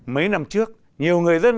mấy năm trước nhiều người dân